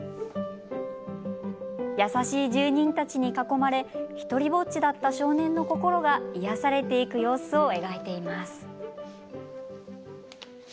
優しい住人たちに囲まれ独りぼっちだった少年の心が癒やされていく様子も描かれています。